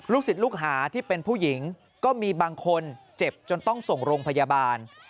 ศิษย์ลูกหาที่เป็นผู้หญิงก็มีบางคนเจ็บจนต้องส่งโรงพยาบาล